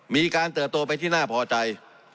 เติบโตไปที่น่าพอใจ